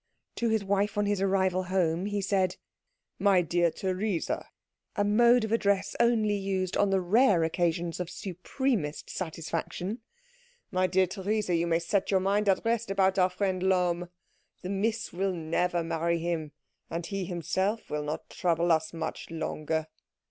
To his wife on his arrival home he said, "My dear Theresa," a mode of address only used on the rare occasions of supremest satisfaction "my dear Theresa, you may set your mind at rest about our friend Lohm. The Miss will never marry him, and he himself will not trouble us much longer."